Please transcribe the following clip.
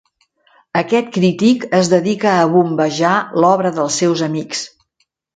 Aquest crític es dedica a bombejar l'obra dels seus amics.